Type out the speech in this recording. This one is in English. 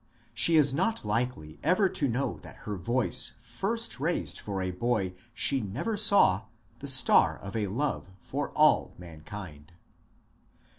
She is not likely ever to know that her voice first raised for a boy she never saw the star of a love for " all mankind."